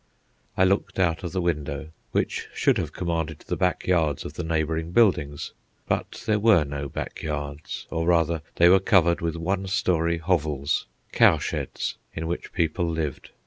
I looked out of the window, which should have commanded the back yards of the neighbouring buildings. But there were no back yards, or, rather, they were covered with one storey hovels, cowsheds, in which people lived.